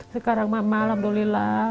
sekarang mak alhamdulillah